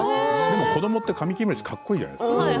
子どもはカミキリムシがかっこいいじゃないですか。